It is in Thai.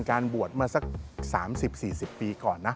การบวชเมื่อสัก๓๐๔๐ปีก่อนนะ